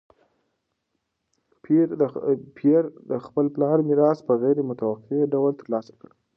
پییر د خپل پلار میراث په غیر متوقع ډول ترلاسه کړ.